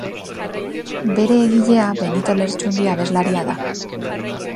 Bere egilea Benito Lertxundi abeslaria da.